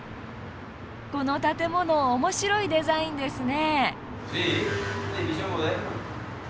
この建物面白いデザインですね。